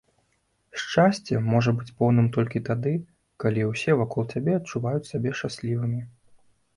Шчасце можа быць поўным толькі тады, калі ўсе вакол цябе адчуваюць сябе шчаслівымі